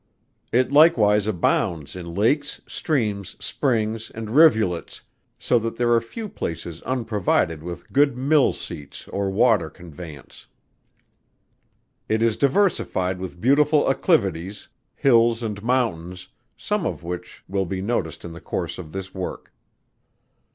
It likewise abounds in lakes, streams, springs, and rivulets, so that there are few places unprovided with good mill seats or water conveyance. It is diversified with beautiful acclivities, hills and mountains, some of which will be noticed in the course of this work.